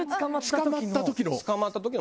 捕まった時の？